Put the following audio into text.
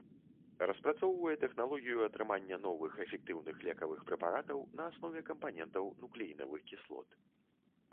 Распрацоўвае тэхналогію атрымання новых эфектыўных лекавых прэпаратаў на аснове кампанентаў нуклеінавых кіслот.